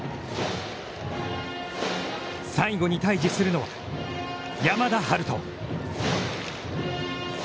最後に対峙するのは、山田陽翔。